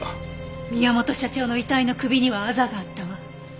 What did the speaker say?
宮本社長の遺体の首にはあざがあったわ。